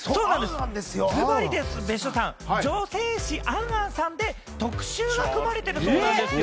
ズバリ別所さん、女性誌『ａｎ・ａｎ』で特集を組まれてるそうなんですよ。